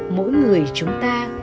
mỗi người chúng ta